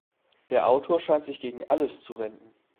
Der Autor scheint sich gegen alles zu wenden.